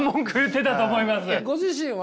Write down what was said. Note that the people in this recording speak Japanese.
ご自身は。